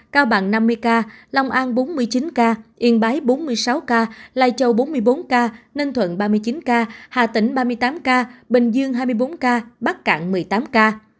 cao bằng năm mươi ca long an bốn mươi chín ca yên bái bốn mươi sáu ca lai châu bốn mươi bốn ca ninh thuận ba mươi chín ca hà tĩnh ba mươi tám ca bình dương hai mươi bốn ca bắc cạn một mươi tám ca